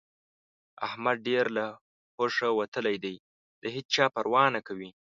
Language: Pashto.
احمد ډېر له هوښه وتلی دی؛ د هيچا پروا نه کوي.